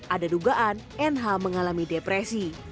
ada dugaan nh mengalami depresi